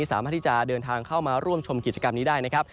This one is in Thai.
สามารถที่จะเดินทางเข้ามาร่วมชมกิจกรรมนี้ได้นะครับ